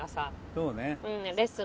そうね。